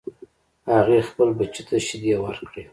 هغې خپل بچی ته شیدې ورکړې